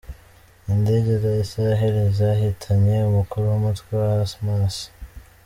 Indege za Isiraheli zahitanye umukuru w’umutwe wa Hamasi